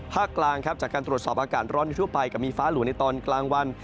ภาคกลางจากการตรวจสอบอากาศร้อนที่ทั่วไปก็มีฟ้าหลั่วในตอนกลางวัน